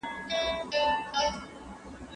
شراب په بدبختیو کي د تسلي لپاره څښل کیږي.